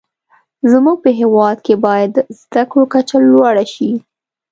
زموږ په هیواد کې باید د زده کړو کچه لوړه شې.